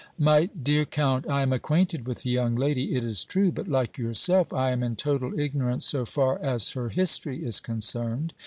"My dear Count, I am acquainted with the young lady, it is true, but, like yourself, I am in total ignorance so far as her history is concerned.